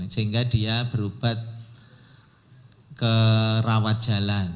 sehingga dia berobat ke rawat jalan